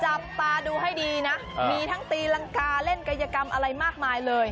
จับตาดูให้ดีนะมีทั้งตีรังกาเล่นกายกรรมอะไรมากมายเลย